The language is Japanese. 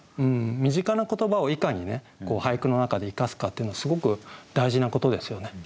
身近な言葉をいかに俳句の中で生かすかっていうのすごく大事なことですよね。